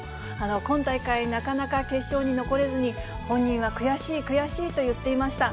今大会、なかなか決勝に残れずに、本人は悔しい、悔しいと言っていました。